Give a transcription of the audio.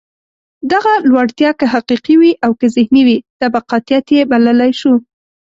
دغه لوړتیا که حقیقي وي او که ذهني وي، طبقاتيت یې بللای شو.